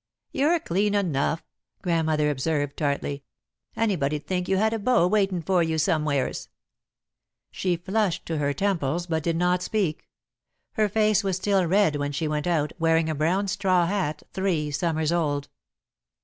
"You're clean enough," Grandmother observed, tartly. "Anybody'd think you had a beau waitin' for you somewheres." [Sidenote: Young People's Calls] She flushed to her temples, but did not speak. Her face was still red when she went out, wearing a brown straw hat three Summers old.